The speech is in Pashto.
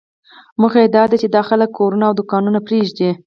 موخه یې داده چې دا خلک کورونه او دوکانونه پرېږدي.